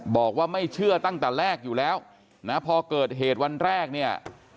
บอกว่าไม่เชื่อตั้งแต่แรกอยู่แล้วนะพอเกิดเหตุวันแรกเนี่ย